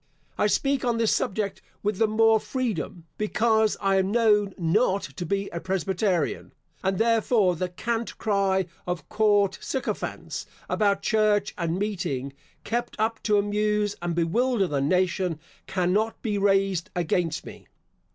I speak on this subject with the more freedom, because I am known not to be a Presbyterian; and therefore the cant cry of court sycophants, about church and meeting, kept up to amuse and bewilder the nation, cannot be raised against me.